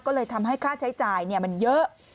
ก็เลยทำให้ค่าใช้จ่ายมันเยอะ